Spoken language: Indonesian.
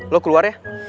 lo keluar ya